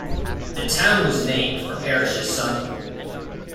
The town was named for Parish's son.